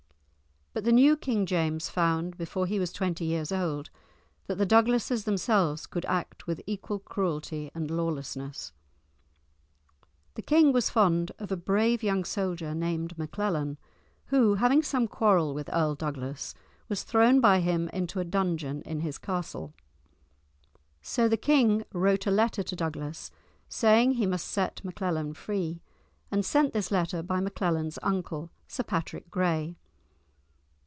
But the new King James found, before he was twenty years old, that the Douglases themselves could act with equal cruelty and lawlessness. The king was fond of a brave young soldier named Maclellan, who, having some quarrel with Earl Douglas, was thrown by him into a dungeon in his castle. So the king wrote a letter to Douglas, saying he must set Maclellan free, and sent this letter by Maclellan's uncle, Sir Patrick Gray.